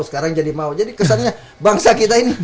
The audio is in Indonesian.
sekarang jadi mau jadi kesannya bangsa kita ini